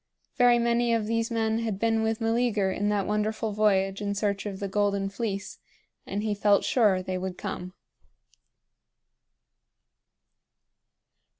Very many of these men had been with Meleager in that wonderful voyage in search of the Golden Fleece, and he felt sure they would come.